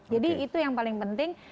jadi itu yang paling penting